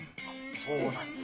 そうなんです。